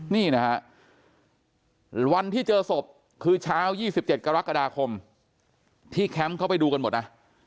นี่นะฮะวันที่เจอศพคือเช้า๒๗กรกฎาคมที่แคมป์เขาไปดูกันหมดนะ